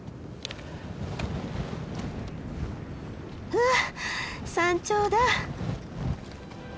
ふう山頂だ。